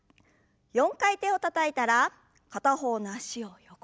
４回手をたたいたら片方の脚を横に。